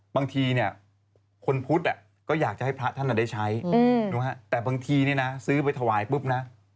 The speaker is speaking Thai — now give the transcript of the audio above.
บางทีเนี่ยคนพุทธก็อยากจะให้พระท่านได้ใช้แต่บางทีเนี่ยนะซื้อไปถวายปุ๊บนะ